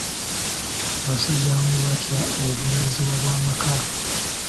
Abasajja abamu batya obuvunaanyizibwa bw'amaka.